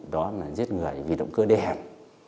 đó là giết người vì động cơ đề hẹn